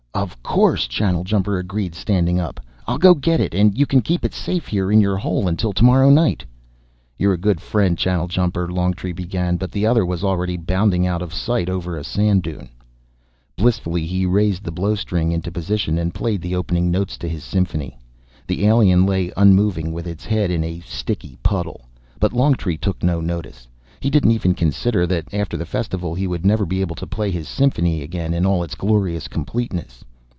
"Of course," Channeljumper agreed, standing up. "I'll go get it, and you can keep it safe here in your hole until tomorrow night." "You're a good friend, Channeljumper," Longtree began, but the other was already bounding out of sight over a sand dune. Blissfully he raised the blowstring into position and played the opening notes to his symphony. The alien lay unmoving with its head in a sticky puddle, but Longtree took no notice. He didn't even consider that after the Festival he would never be able to play his symphony again in all its glorious completeness.